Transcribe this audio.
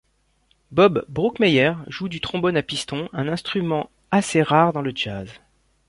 Bob Brookmeyer joue du trombone à piston, un instrument assez rare dans le jazz.